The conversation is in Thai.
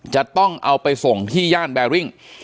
จะต้องเอาไปส่งที่ย่านแบริ่ง